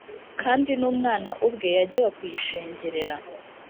kandi n’umwami ubwe yajyaga kuyishengerera;